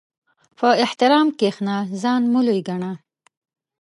په احترام کښېنه، ځان مه لوی ګڼه.